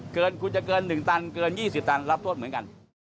คุณจะเกิน๑ตันเกิน๒๐ตันรับโทษเหมือนกัน